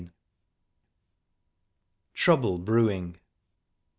TROUBLE BREWING.